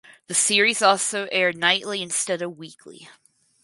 The series also aired nightly instead of weekly.